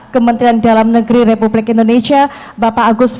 kementerian dalam negeri republik indonesia bapak agus